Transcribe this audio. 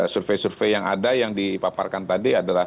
survei survei yang ada yang dipaparkan tadi adalah